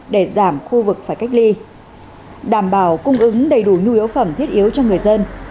để giảm khu vực phải cách ly đảm bảo cung ứng đầy đủ nhu yếu phẩm thiết yếu cho người dân